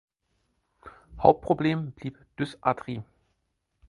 Hauptproblem blieb Dysarthrie.